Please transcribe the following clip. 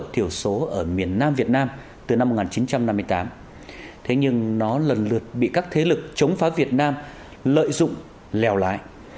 thế nhưng nó lần lượt bị các thế lực chống phá việt nam lợi dụng lèo lại